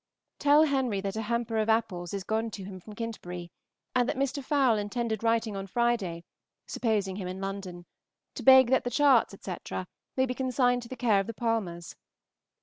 Tell Henry that a hamper of apples is gone to him from Kintbury, and that Mr. Fowle intended writing on Friday (supposing him in London) to beg that the charts, etc., may be consigned to the care of the Palmers.